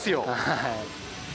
はい。